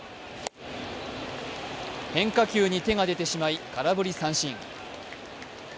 変化球に手が出てしまい、空振り三振。